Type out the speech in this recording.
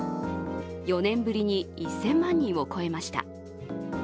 ４年ぶりに１０００万人を超えました。